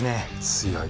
強い。